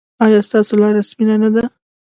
ایا ستاسو لاره سپینه نه ده؟